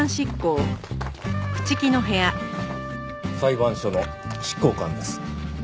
裁判所の執行官です。